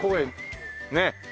ねえ。